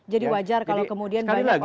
jadi wajar kalau kemudian banyak orang yang